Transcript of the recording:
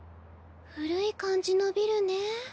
古い感じのビルね。